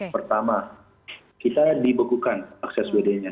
pertama kita dibekukan akses wd nya